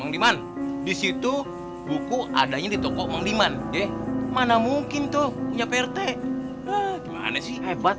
dimana disitu buku adanya di toko mangliman deh mana mungkin tuh punya prt gimana sih hebat